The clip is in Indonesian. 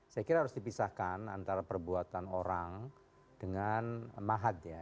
saya kira harus dipisahkan antara perbuatan orang dengan mahat ya